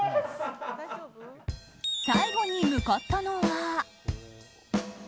最後に向かったのは。